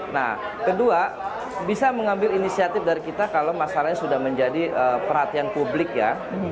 nah kedua bisa mengambil inisiatif dari kita kalau masalahnya sudah menjadi perhatian publik ya